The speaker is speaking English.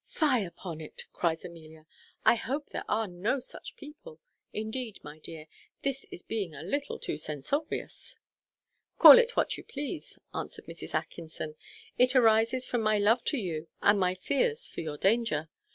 "Fie upon it!" cries Amelia. "I hope there are no such people. Indeed, my dear, this is being a little too censorious." "Call it what you please," answered Mrs. Atkinson; "it arises from my love to you and my fears for your danger.